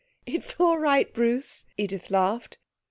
'It's all right, Bruce,' Edith laughed.